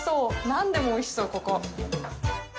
何でもおいしそう、ここ。